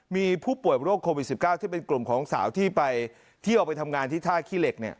มีผู้ป่วยโรคโควิด๑๙ที่เป็นกลุ่มของสาวที่ไปเที่ยวไปทำงานที่ท่าขี้เหล็ก